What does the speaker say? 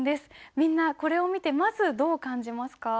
みんなこれを見てまずどう感じますか？